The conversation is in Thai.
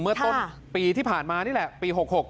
เมื่อต้นปีที่ผ่านมานี่แหละปี๖๖